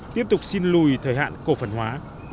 tiếp tục xin lùi thời hạn cổ phần hóa